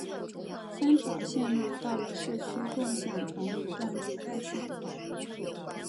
三条线路到了市区共享同一段主干线路。